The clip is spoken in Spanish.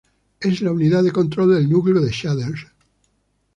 Es la unidad de control del núcleo de shaders.